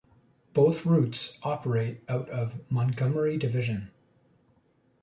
Both Routes operate out of Montgomery division.